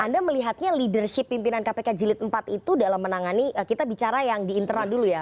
tapi saya lihatnya leadership pimpinan kpk jilid iv itu dalam menangani kita bicara yang di interna dulu ya